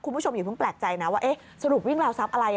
คุณผู้ชมอย่าเพิ่งแปลกใจนะว่าสรุปวิ่งราวทรัพย์อะไร